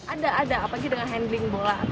ada ada apalagi dengan handling bola